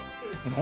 何？